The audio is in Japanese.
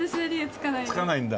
付かないんだ。